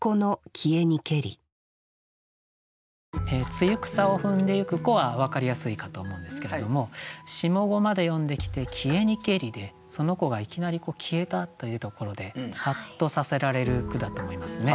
「露草を踏んで行く子」は分かりやすいかと思うんですけれども下五まで読んできて「消えにけり」でその子がいきなり消えたというところでハッとさせられる句だと思いますね。